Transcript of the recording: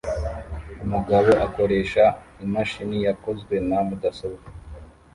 Umugabo akoresha imashini yakozwe na mudasobwa